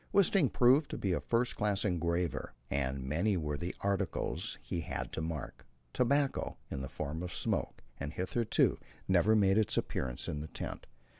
Wisting proved to be a first class engraver, and many were the articles he had to mark. Tobacco in the form of smoke had hitherto never made its appearance in the tent.